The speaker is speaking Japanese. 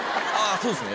そうすね